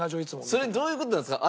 それどういう事なんですか？